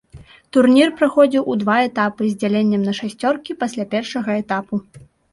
Турнір праходзіў у два этапы з дзяленнем на шасцёркі пасля першага этапу.